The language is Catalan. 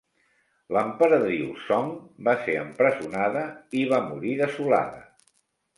L'emperadriu Song va ser empresonada i va morir desolada.